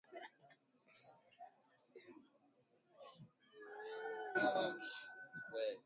Wafungwa awaikalaki huuru